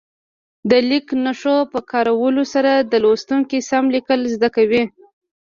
د لیک نښو په کارولو سره لوستونکي سم لیکل زده کوي.